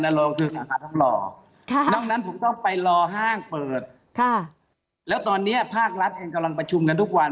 นอกนั้นผมต้องไปรอห้างเปิดค่ะแล้วตอนนี้ภาครัฐเองกำลังประชุมกันทุกวัน